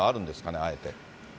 あえて。